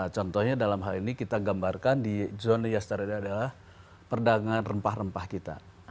contohnya dalam hal ini kita gambarkan di zona yester ini adalah perdagangan rempah rempah kita